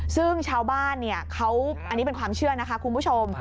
ซึ่งชาวบ้านเขาอันนี้เป็นความเชื่อนะคะคุณผู้ชม